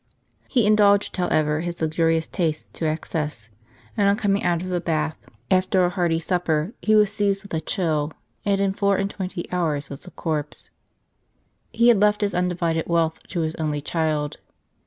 He indulged, however, his luxurious tastes to excess ; and on coming out of a bath, after a hearty supper, he w^as seized with a chill, and in four and twenty hours was a corpse. He had left his undivided wealth to his only child.